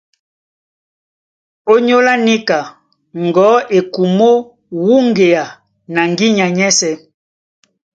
Ónyólá níka ŋgɔ̌ e kumó wúŋgea na ŋgínya nyɛ́sɛ̄.